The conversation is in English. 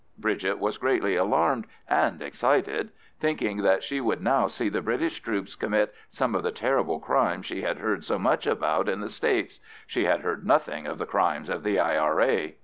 Bridget was greatly alarmed and excited, thinking that she would now see the British troops commit some of the terrible crimes she had heard so much about in the States—she had heard nothing of the crimes of the I.R.A.